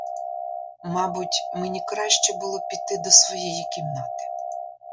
Мабуть, мені краще було піти до своєї кімнати.